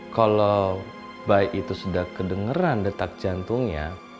kalau baik itu sudah kedengeran detak jantungnya